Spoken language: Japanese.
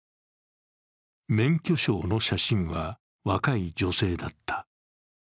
免許証の写真は若い女性だった。